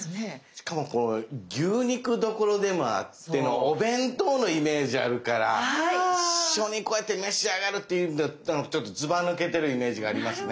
しかも牛肉どころでもあってのお弁当のイメージあるから一緒にこうやって召し上がるっていうんだったらちょっとずばぬけてるイメージがありますね。